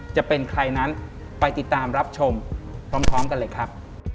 จะเป็นใครนั้นไปติดตามรับชมพร้อมกันเลยครับ